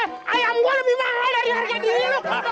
eh ayam gue lebih mahal dari harga diri lo